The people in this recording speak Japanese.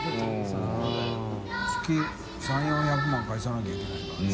３００４００万返さなきゃいけないからね。